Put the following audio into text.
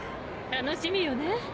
楽しみよね。